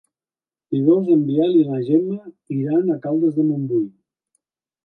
Dijous en Biel i na Gemma iran a Caldes de Montbui.